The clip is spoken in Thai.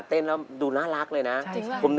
เต้นต้นระเบิดเถอะ